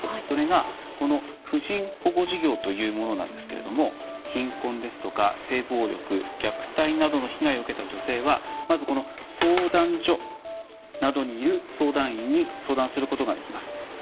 それがこの婦人保護事業というものなんですけれども貧困ですとか性暴力虐待などの被害を受けた女性は、まず相談所などにいる相談員に相談することができます。